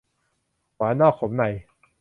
หวานนอกขมใน